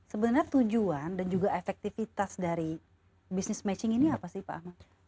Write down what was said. sebenarnya tujuan dan juga efektivitas dari business matching ini apa sih pak ahmad